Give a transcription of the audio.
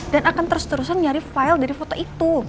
dan akan terus terusan nyari file dari foto itu